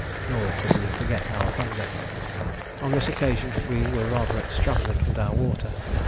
Nor could we forget our hunger. On this occasion we were rather extravagant with our water.